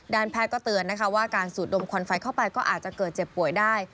แพทย์ก็เตือนนะคะว่าการสูดดมควันไฟเข้าไปก็อาจจะเกิดเจ็บป่วยได้